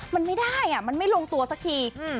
มันไม่ได้อ่ะมันไม่ลงตัวสักที